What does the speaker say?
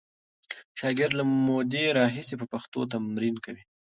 شاګرد له مودې راهیسې په پښتو تمرین کوي.